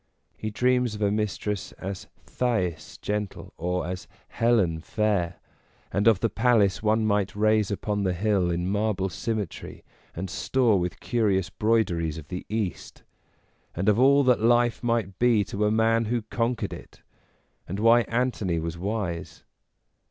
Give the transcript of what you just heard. He dreams of a mistress as Thais gentle or as Helen fair, and of the palace one might raise upon the hill in marble symmetry and store with curious broideries of the East; and of all that life might be to a man who conquered it, and why Antony was wise.